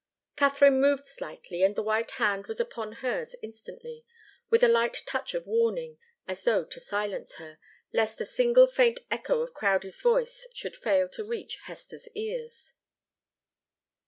Katharine moved slightly, and the white hand was upon hers instantly, with a light touch of warning, as though to silence her, lest a single faint echo of Crowdie's voice should fail to reach Hester's ears.